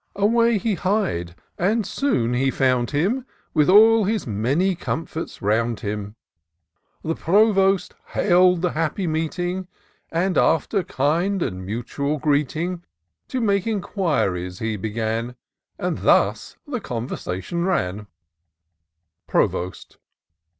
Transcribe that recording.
Away he hied, and soon he found him, With all his many comforts roimd him. The Provost hail*d the happy meeting, And after kind and mutual greeting, To make inquiries he began ; And thus the conversation ran :— Provost.